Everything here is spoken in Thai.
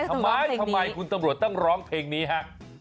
ทำไมทำไมคุณตำรวจต้องร้องเพลงนี้ฮะ